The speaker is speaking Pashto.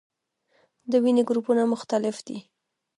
د وینې ګروپونه مختلف دي